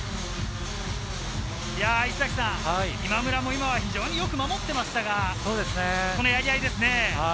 今村は今も非常によく守っていましたが、このやり合いですね。